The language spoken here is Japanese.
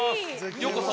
ようこそ。